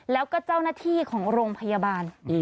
แล้วก็เจ้าหน้าที่ของโรงพยาบาล